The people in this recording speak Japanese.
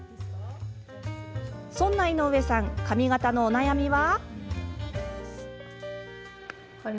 そんな井上さん、髪形のお悩みは。